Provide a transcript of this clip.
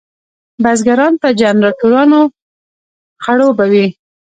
بزګران په جنراټورانو خړوبوي.